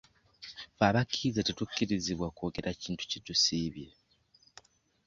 Ffe abakkiriza tetukkirizibwa kwogera kintu kye tusiibye.